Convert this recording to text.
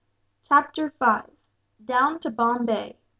Chapter 5: Down To Bombay.